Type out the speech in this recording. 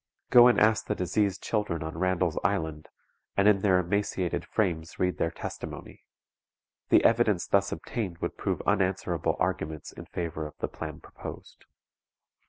Go and ask the diseased children on Randall's Island, and in their emaciated frames read their testimony. The evidence thus obtained would prove unanswerable arguments in favor of the plan proposed.